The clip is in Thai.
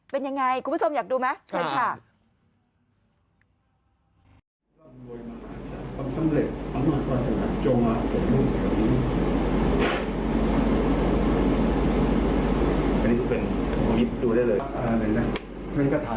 เป็นยังไงคุณผู้ชมอยากดูไหมเชิญค่ะ